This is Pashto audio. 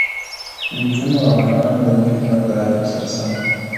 نجونو او هلکانو د نوي حکومت له راتگ سره سم